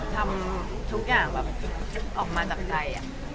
ทำทุกอย่างแบบออกมาจากใจ